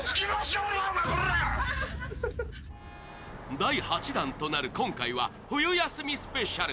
第８弾となる今回は冬休みスペシャル。